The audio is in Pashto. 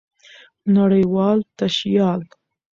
نړۍوال تشيال